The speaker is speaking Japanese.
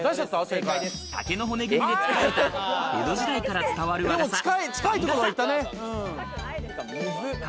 竹の骨組みで作った江戸時代から伝わる和傘・番傘。